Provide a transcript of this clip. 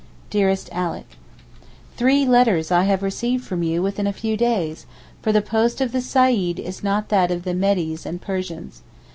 DEAREST ALICK, Three letters have I received from you within a few days, for the post of the Saeed is not that of the Medes and Persians.